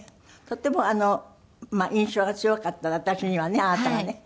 とても印象が強かったの私にはねあなたがね。